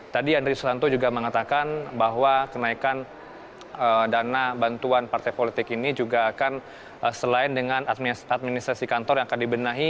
tadi yandri susanto juga mengatakan bahwa kenaikan dana bantuan partai politik ini juga akan selain dengan administrasi kantor yang akan dibenahi